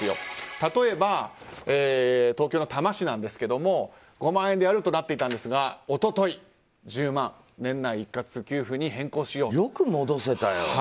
例えば、東京の多摩市なんですが５万円でやるとなっていたんですが一昨日、１０万年内一括給付に変更しようと。